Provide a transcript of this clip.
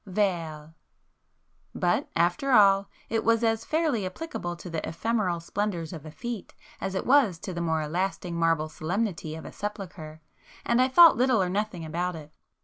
Vale!" But, after all, it was as fairly applicable to the ephemeral splendours of a fête as it was to the more lasting marble solemnity of a sepulchre, and I thought little or nothing about it.